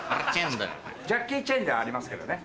ジャッキー・チェンではありますけどね。